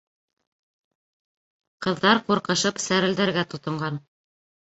Ҡыҙҙар, ҡурҡышып, сәрелдәргә тотонған.